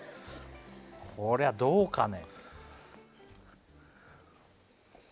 こりゃどうかね？